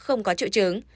không có triệu chứng